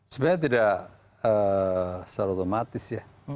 sebenarnya tidak secara otomatis ya